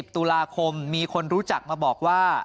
ตุลาคมมีคนรู้จักมาบอกว่า